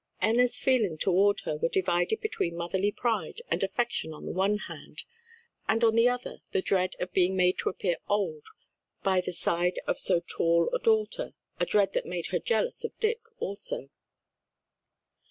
Enna's feelings toward her were divided between motherly pride and affection on the one hand, and on the other the dread of being made to appear old by the side of so tall a daughter; a dread that made her jealous of Dick also.